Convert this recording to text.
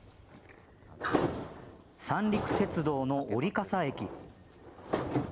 三陸鉄道の織笠駅。